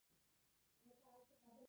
ایا اشتها مو بنده ده؟